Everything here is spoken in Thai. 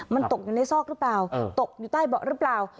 มันตกอยู่ในซอกหรือเปล่าตกอยู่ใต้เบาะหรือเปล่า